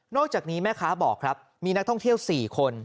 อกจากนี้แม่ค้าบอกครับมีนักท่องเที่ยว๔คน